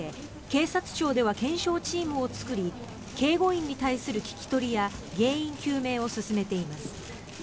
警察庁では検証チームを作り警護員に対する聞き取りや原因究明を進めています。